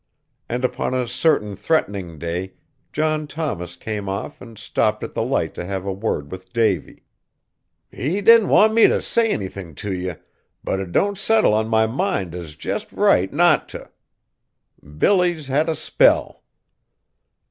And upon a certain threatening day, John Thomas came off and stopped at the Light to have a word with Davy. "He didn't want me t' say anythin' t' ye, but it don't settle on my mind as jest right not t'. Billy's had a spell!"